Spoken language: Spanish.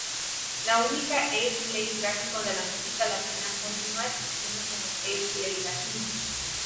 La única-Airplay gráfico de la música latina continúa existiendo como Airplay Latino.